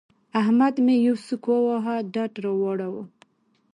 احمد مې يوه سوک وواهه؛ ډډ را واړاوو.